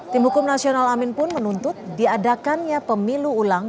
tim hukum nasional amin pun menuntut diadakannya pemilu ulang